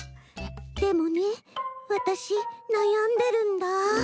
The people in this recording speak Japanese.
でもねわたしなやんでるんだ。